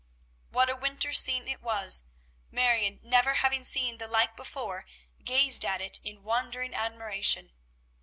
What a winter scene it was! Marion, never having seen the like before, gazed at it in wondering admiration.